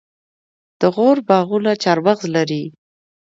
د غور باغونه چهارمغز لري.